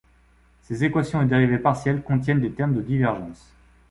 Ces équations aux dérivées partielles contiennent des termes de divergence.